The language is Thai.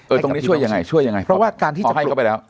ตรงนี้ช่วยยังไงช่วยยังไงเพราะว่าการที่จะให้เขาไปแล้ว